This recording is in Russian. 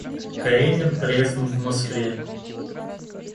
Каренин проездом в Москве.